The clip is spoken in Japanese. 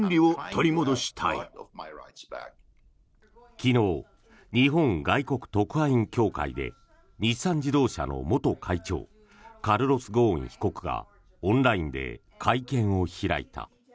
昨日、日本外国特派員協会で日産自動車之元会長カルロス・ゴーン被告がオンラインで会見を開いた。